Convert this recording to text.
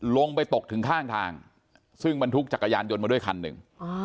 ลงไปตกถึงข้างทางซึ่งบรรทุกจักรยานยนต์มาด้วยคันหนึ่ง